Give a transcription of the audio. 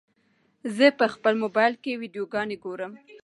زه په خپل موبایل کې ویډیوګانې ګورم.